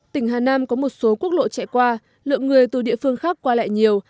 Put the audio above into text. tỉnh hà nam có một số quốc lộ chạy qua lượng người từ địa phương khác qua lại nhiều